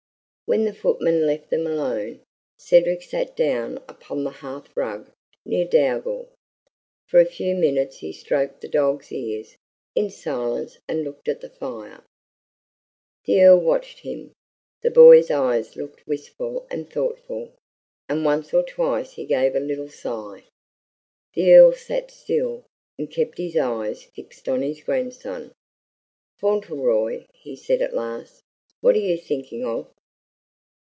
When the footman left them alone, Cedric sat down upon the hearth rug near Dougal. For a few minutes he stroked the dog's ears in silence and looked at the fire. The Earl watched him. The boy's eyes looked wistful and thoughtful, and once or twice he gave a little sigh. The Earl sat still, and kept his eyes fixed on his grandson. "Fauntleroy," he said at last, "what are you thinking of?"